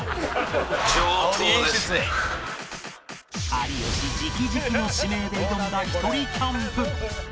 有吉直々の指名で挑んだひとりキャンプ